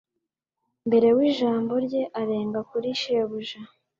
mbere w’ijambo rye arenga kuri shebuja